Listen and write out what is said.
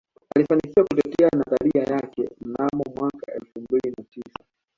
Alifanikiwa kutetea nadharia yake mnamo mwaka elfu mbili na tisa